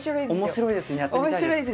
面白いですねやってみたいです。